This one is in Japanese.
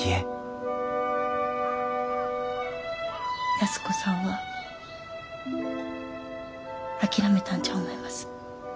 安子さんは諦めたんじゃ思います。